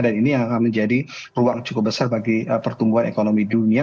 dan ini akan menjadi ruang cukup besar bagi pertumbuhan ekonomi dunia